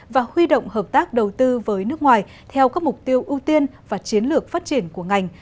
và huy động hợp tác đầu tư với nước ngoài theo các mục tiêu ưu tiên và chiến lược phát triển của ngành